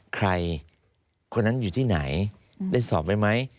ใครคนนั้นอยู่ที่ไหนได้สอบไว้ไหม